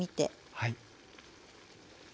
はい。